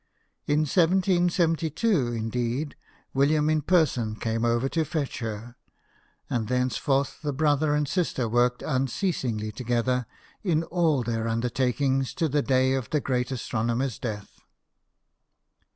In 1772, indeed, William in person came over to fetch her, and thenceforth the brother and sister worked un ceasingly together in all their undertakings to the day of the great astronomer's death.